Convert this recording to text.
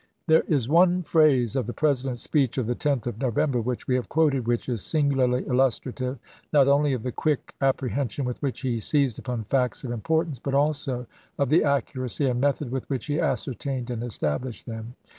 There is one phrase of the President's speech of the 10th of November which we have quoted which 186*. is singularly illustrative, not only of the quick ap prehension with which he seized upon facts of im portance, but also of the accuracy and method with which he ascertained and established them.